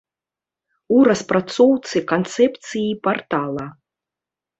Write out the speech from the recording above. У распрацоўцы канцэпцыі партала.